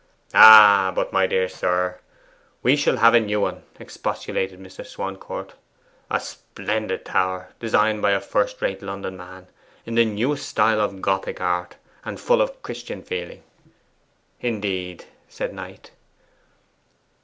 'Ah, but my dear sir, we shall have a new one, expostulated Mr. Swancourt; 'a splendid tower designed by a first rate London man in the newest style of Gothic art, and full of Christian feeling.' 'Indeed!' said Knight.